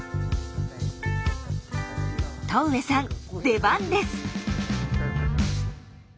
戸上さん出番です。